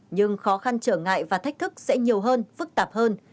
nhưng khó khăn trở ngại và thách thức sẽ nhiều hơn phức tạp hơn